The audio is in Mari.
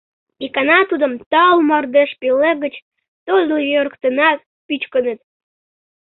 Икана тудым таул мардеж пелыгыч тодыл йӧрыктенат, пӱчкыныт.